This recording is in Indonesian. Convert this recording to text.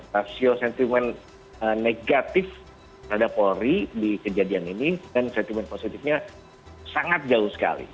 rasio sentimen negatif terhadap polri di kejadian ini dan sentimen positifnya sangat jauh sekali